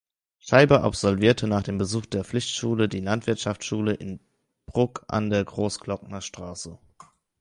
Scheiber absolvierte nach dem Besuch der Pflichtschule die Landwirtschaftsschule in Bruck an der Großglocknerstraße.